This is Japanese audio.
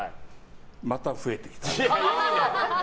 また、増えてきたね。